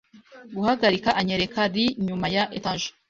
guhagarika, anyereka lee nyuma ya etage.